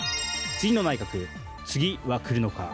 次の内閣次は来るのか。